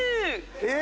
え